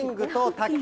卓球？